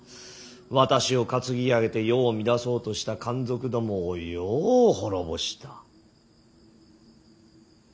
私を担ぎ上げて世を乱そうとした奸賊どもをよう滅ぼした。